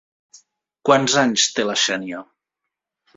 Quants anys té la Xènia?